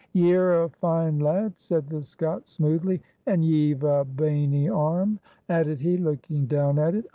"Ye're a fine lad," said the Scot, smoothly, "and ye've a boeny aerm," added he, looking down at it.